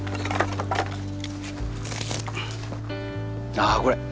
ああこれ！